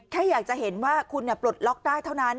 แค่อยากจะเห็นว่าคุณปลดล็อกได้เท่านั้น